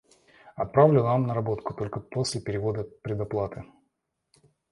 Отправлю вам наработку только после перевода предоплаты.